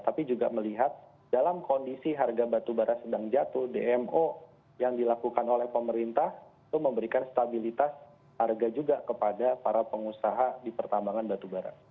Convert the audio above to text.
tapi juga melihat dalam kondisi harga batubara sedang jatuh dmo yang dilakukan oleh pemerintah itu memberikan stabilitas harga juga kepada para pengusaha di pertambangan batubara